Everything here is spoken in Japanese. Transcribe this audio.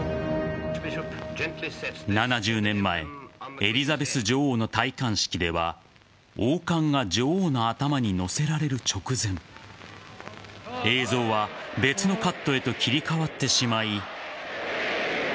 ７０年前エリザベス女王の戴冠式では王冠が女王の頭に載せられる直前映像は別のカットへと切り替わってしまい。